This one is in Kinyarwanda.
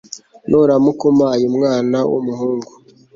nuramuka umpaye umwana w umuhungu